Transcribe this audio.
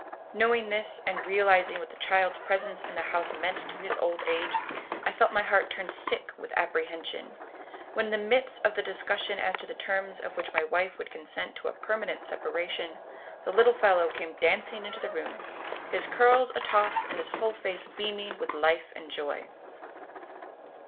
Knowing this, and realizing what the child's presence in the house meant to his old age, I felt my heart turn sick with apprehension, when in the midst of the discussion as to the terms on which my wife would consent to a permanent separation, the little fellow came dancing into the room, his curls atoss and his whole face beaming with life and joy.